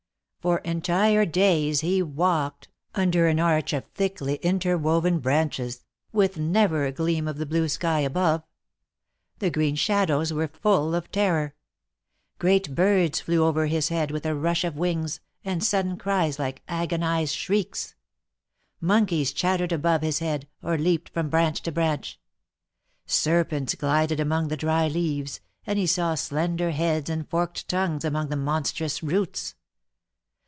" For entire days he walked, under an arch of thickly interwoven branches, with never a gleam of the blue sky above. The green shadows were full of terror. Great birds flew over his head with a rush of wings, and sudden cries, like agonized shrieks. Monkeys chattered above his head, or leaped from branch to branch. Serpents glided among the dry leaves, and he saw slender heads and forked tongues among the monstrous roots.